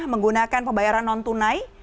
menggunakan pembayaran non tunai